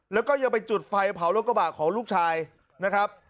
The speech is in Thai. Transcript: แล้วก็ยังไปจุดไฟเผารถกระบะของลูกชายนะครับ